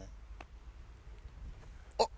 あっ！